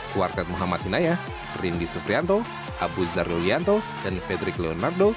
keluarga muhammad hinaya rindi suprianto abu zardulianto dan fedrik leonardo